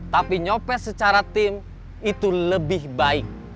tapi nyopes secara tim itu lebih baik